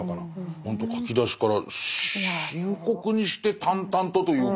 ほんと書き出しから深刻にして淡々とというか。